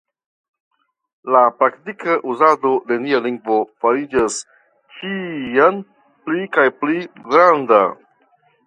La praktika uzado de nia lingvo fariĝas ĉiam pli kaj pli granda.